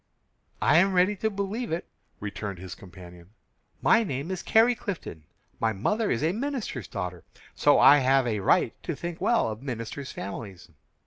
"I am ready to believe it," returned his companion. "My name is Carrie Clifton; my mother is a minister's daughter, so I have a right to think well of ministers' families."